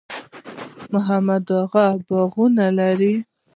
محمد اغه باغونه لري؟